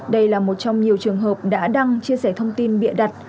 đây là một trong nhiều trường hợp đã đăng chia sẻ thông tin bịa đặt